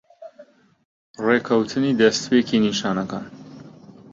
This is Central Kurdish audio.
ڕێکەوتی دەستپێکی نیشانەکان